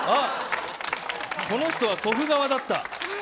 この人は祖父側だった。